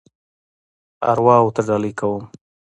ارواوو ته ډالۍ کوم.